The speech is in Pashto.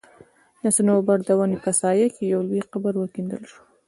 د صنوبر د وني په سايه کي يو لوى قبر وکيندل سو